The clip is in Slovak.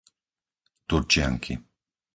Turčianky